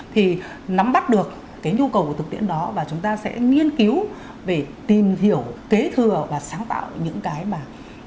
thì nắm bắt được cái nhu cầu của thực tiễn đó và chúng ta sẽ nghiên cứu về tìm hiểu kế thừa và sáng tạo những cái mà